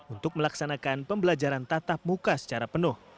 untuk melaksanakan pembelajaran tatap muka secara penuh